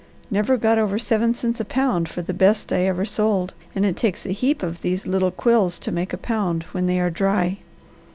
Never got over seven cents a pound for the best I ever sold, and it takes a heap of these little quills to make a pound when they are dry.